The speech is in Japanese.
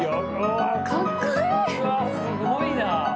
うわっすごいな。